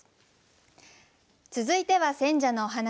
続いては選者のお話。